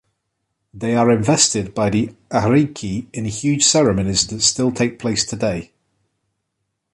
They are invested by the "ariki" in huge ceremonies that still take place today.